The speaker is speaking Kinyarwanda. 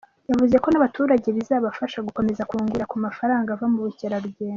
Yavuze ko n’abaturage bizabafasha gukomeza kungukira ku mafaranga ava mu bukerarugendo .